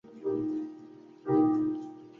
Su producto más fino era el voltímetro.